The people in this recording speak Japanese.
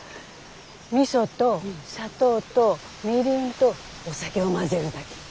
みそと砂糖とみりんとお酒を混ぜるだけ。